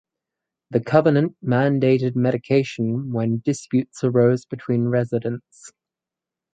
The Covenant mandated mediation when disputes arose between residents.